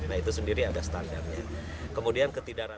nah itu sendiri ada standarnya kemudian ketidak